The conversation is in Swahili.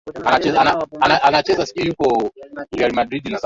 walieleza kwamba Wahehe walikuwa wanajihami tu dhidi ya shambulio na walitaka amani